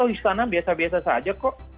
istana biasa biasa saja kok